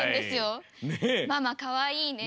「ママかわいいね」